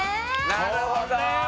なるほど。